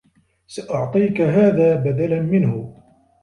سأعطيك هذا بدلا منه.